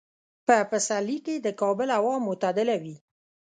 په پسرلي کې د کابل هوا معتدله وي.